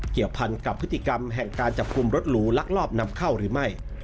เกี่ยวพันกับพฤติกรรมแห่งการจับกลุ่มรถหรูลักลอบนำเข้าหรือไม่